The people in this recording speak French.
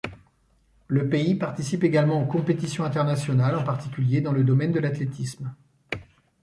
Le pays participe également aux compétitions internationales en particulier dans le domaine de l'athlétisme.